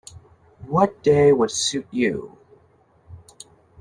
What day would suit you?